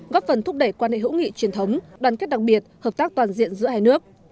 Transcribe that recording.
góp phần thúc đẩy quan hệ hữu nghị truyền thống đoàn kết đặc biệt hợp tác toàn diện giữa hai nước